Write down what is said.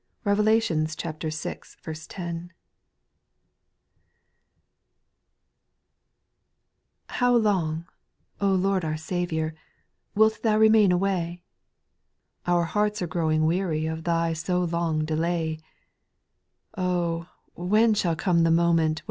Revelations vi. 10. 1. TTOW long, O Lord our Saviour, XI Wilt thou remain away ? Our hearts are growing weary Of Thy so long delay : Oh I when shall come the moment.